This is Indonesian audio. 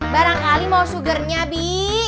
barangkali mau sugarnya bi